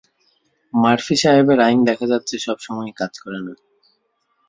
Murphy সাহেবের আইন দেখা যাচ্ছে সবসময় কাজ করে না।